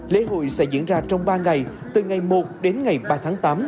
lễ hội sẽ diễn ra trong ba ngày từ ngày một đến ngày ba tháng tám